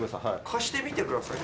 「貸してみてください」？